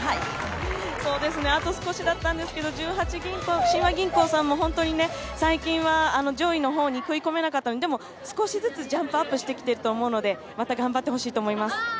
あと少しだったんですけど、十八親和銀行さんも最近は上位の方に食い込めなかったので、でも少しずつジャンプアップしてきてると思うのでまた、頑張ってほしいと思います。